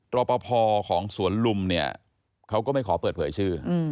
รอปภของสวนลุมเนี่ยเขาก็ไม่ขอเปิดเผยชื่อ